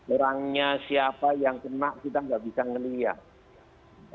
orangnya siapa yang kena kita nggak bisa melihat